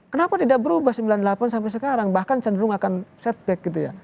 kenapa tidak berubah sembilan puluh delapan sampai sekarang bahkan cenderung akan setback gitu ya